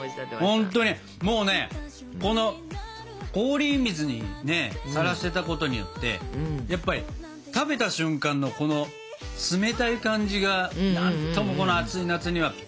ほんとにもうねこの氷水にさらしてたことによってやっぱり食べた瞬間のこの冷たい感じが何ともこの暑い夏にはぴったりですね。